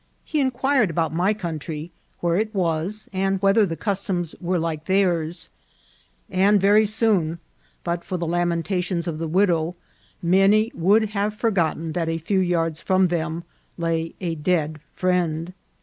He inquired about my country, where it was, and whether the cus toms were like theirs ; and very soon, but for the lam entations of the widow, many would have forgotten that a few yards from them lay a dead friend.